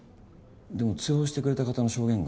でも通報してくれた方の証言が。